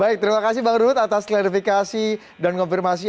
baik terima kasih bang ruhut atas klarifikasi dan konfirmasi